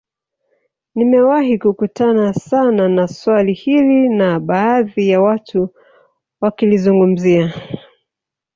Nimewahi kukutana sana na swali hili na baadhi ya watu wakilizungumzia